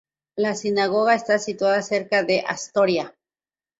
La Sinagoga está situada cerca de Astoria.